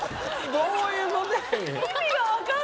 どういうことやねん？